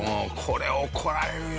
これ怒られるよ。